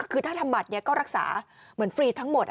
คือถ้าทำบัตรก็รักษาเหมือนฟรีทั้งหมด